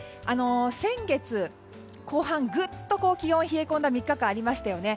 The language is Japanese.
先月の後半グッと気温が冷え込んだ３日間がありましたよね。